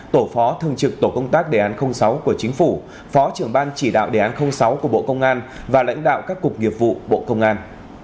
tổ phó thường trực tổ công tác đề án sáu của chính phủ phó trưởng ban chỉ đạo đề án sáu của bộ công an và lãnh đạo các cục nghiệp vụ bộ công an